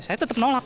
saya tetap nolak